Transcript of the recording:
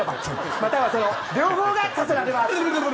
またはその両方が課せられます。